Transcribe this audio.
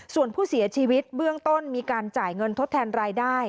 ส่วนผู้เสียชีวิตเบื้องต้นมีการจ่ายเงินทดแทนรายได้